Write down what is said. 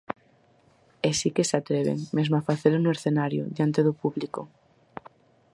E si que se atreven, mesmo a facelo no escenario, diante do público.